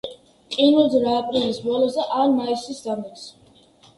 ყინულძვრაა აპრილის ბოლოს ან მაისის დამდეგს.